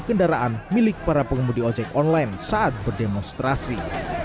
kedaraan milik para pengumum di ojek online saat berdemonstrasi